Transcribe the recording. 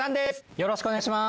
よろしくお願いします。